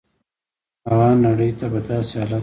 هغه نړۍ ته په داسې حالت کې راغلی.